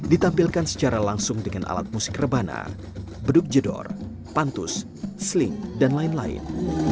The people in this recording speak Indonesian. ditampilkan secara langsung dengan alat musik rebana beduk jedor pantus sling dan lain lain